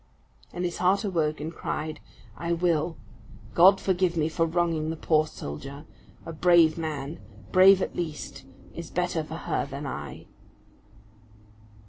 And his heart awoke and cried, "I will. God forgive me for wronging the poor soldier! A brave man, brave at least, is better for her than I."